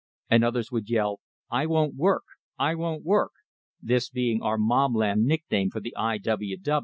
And others would yell, "I won't work! I won't work!" this being our Mobland nickname for the I.